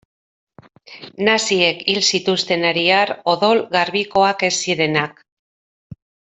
Naziek hil zituzten ariar odol garbikoak ez zirenak.